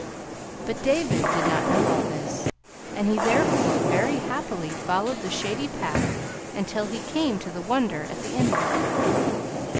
But David did not know all this; and he therefore very happily followed the shady path until he came to the Wonder at the end of it.